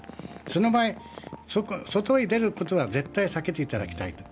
その場合、外へ出ることは絶対に避けていただきたい。